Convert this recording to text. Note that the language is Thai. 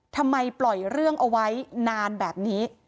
ทำไมปล่อยเรื่องเอาไว้นานแบบนี้